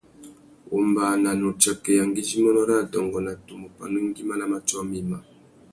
Wombāna na utsakeya ngüidjiménô râ adôngô na tumu pandú ngüima na matiō mïmá.